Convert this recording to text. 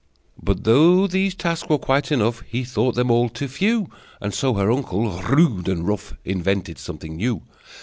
But though these tasks were quite enough, He thought them all too few, And so her uncle, rude and rough, Invented something new.